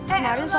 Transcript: eh enggak enggak